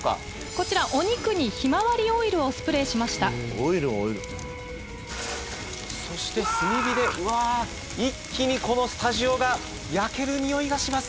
こちらお肉にひまわりオイルをスプレーしましたオイルをオイルそして炭火でうわぁ一気にこのスタジオが焼けるにおいがします